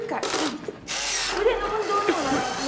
腕の運動にもなりますね。